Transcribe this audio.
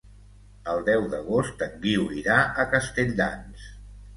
El deu d'agost en Guiu irà a Castelldans.